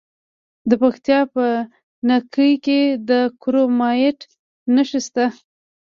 د پکتیکا په نکې کې د کرومایټ نښې شته.